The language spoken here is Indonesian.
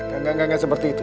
gak gak gak seperti itu